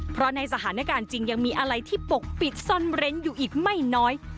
เพราะในสถานการณ์จริงยังมีอะไรที่ปกปิดซ่อนเร้นอยู่อีกไม่น้อย